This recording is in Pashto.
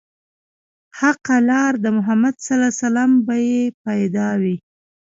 حقه لار د محمد ص به يې پيدا وي